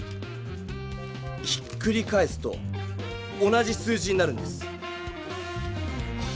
ひっくり返すと同じ数字になるんです。